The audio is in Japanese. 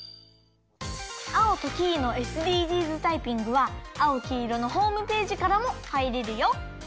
「アオとキイのＳＤＧｓタイピング」は「あおきいろ」のホームページからもはいれるよ。